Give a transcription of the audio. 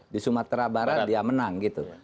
di sumatera barat dia menang gitu